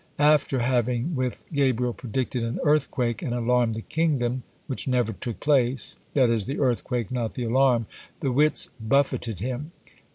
After having with Gabriel predicted an earthquake, and alarmed the kingdom, which never took place (that is the earthquake, not the alarm), the wits buffeted him.